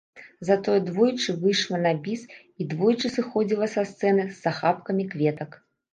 Затое двойчы выйшла на біс і двойчы сыходзіла са сцэны з ахапкамі кветак.